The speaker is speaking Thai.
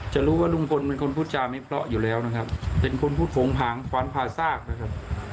จะรู้ว่าลุงพลเป็นคนพูดจาไม่เพราะอยู่แล้วนะครับเป็นคนพูดโผงผางขวานผ่าซากนะครับ